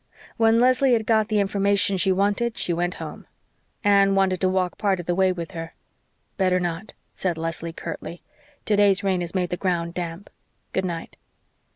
When Leslie had got the information she wanted she went home. Anne wanted to walk part of the way with her. "Better not," said Leslie curtly. "Today's rain has made the ground damp. Good night."